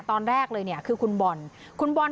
ตอนแรกเลยเนี่ยคือคุณบอล